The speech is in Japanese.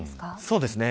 そうですね。